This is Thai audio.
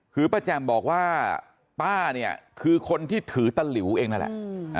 คือป้าแจ่มบอกว่าป้าเนี่ยคือคนที่ถือตะหลิวเองนั่นแหละ